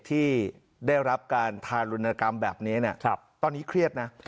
ที่ได้รับการทารุณกรรมแบบนี้ตอนนี้เครียดนะ